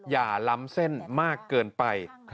ล้ำเส้นมากเกินไป